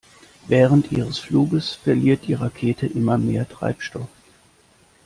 Während ihres Fluges verliert die Rakete immer mehr Treibstoff.